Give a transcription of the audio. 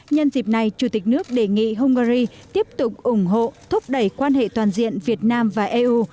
nhân dịp này chủ tịch nước đề nghị hungary tiếp tục ủng hộ thúc đẩy quan hệ toàn diện việt nam và eu